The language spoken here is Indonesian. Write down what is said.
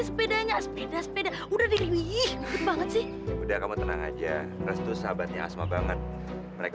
sepedanya aspida sepeda udah dirii banget sih udah kamu tenang aja restu sahabatnya asma banget mereka